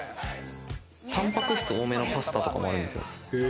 タンパク質おおめのパスタとかもあるんですよ。